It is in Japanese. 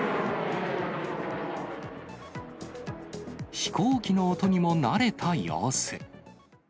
飛行機の音にも慣れた様子。